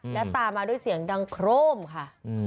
และตามมาด้วยเสียงดังโครมค่ะ